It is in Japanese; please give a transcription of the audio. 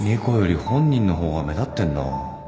猫より本人の方が目立ってんな